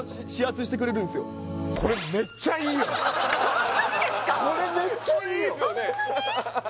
そんなに？